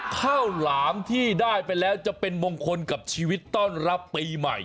ข้าวหลามที่ได้ไปแล้วจะเป็นมงคลกับชีวิตต้อนรับปีใหม่